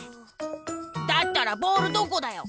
だったらボールどこだよ？